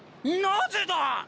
なぜだ？